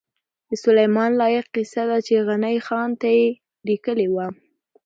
د سلیمان لایق قصیده چی غنی خان ته یی لیکلې وه